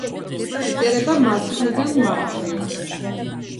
იწერება მარცხნიდან მარჯვნივ.